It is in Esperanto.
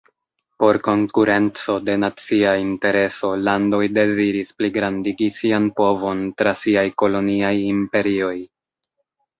Por konkurenco de nacia intereso, landoj deziris pligrandigi sian povon tra siaj koloniaj imperioj.